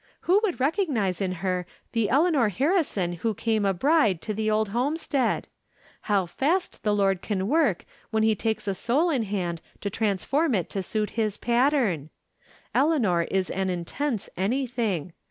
Who would recognize in her the Eleanor Harrison who came a bride to the old homestead ? How fast the Lord can work when he takes a soul in hand to transform it to suit his pattern ! Eleanor is an intense anything.